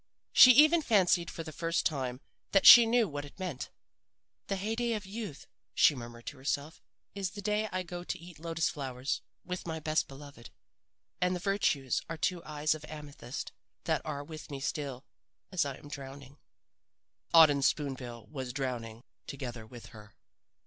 "She even fancied for the first time that she knew what it meant. "'The hey day of youth,' she murmured to herself, 'is the day I go to eat lotus flowers with my best beloved and virtues are two eyes of amethyst that are with me still as I am drowning.' "Auden Spoon bill was drowning together with her.